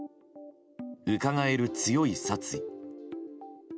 うかがえる強い殺意。